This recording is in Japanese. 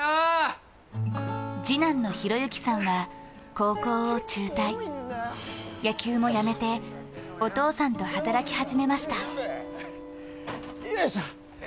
次男の宏恕さんは、高校を中退野球もやめて、お父さんと働き始めました。